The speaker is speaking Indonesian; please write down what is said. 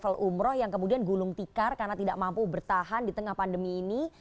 kalau umroh yang kemudian gulung tikar karena tidak mampu bertahan di tengah pandemi ini